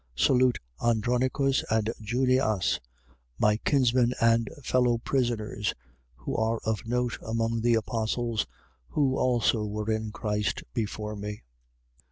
16:7. Salute Andronicus and Junias, my kinsmen and fellow prisoners: who are of note among the apostles, who also were in Christ before me.